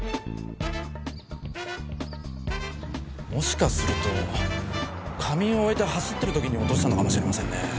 もしかすると仮眠を終えて走ってる時に落としたのかもしれませんね。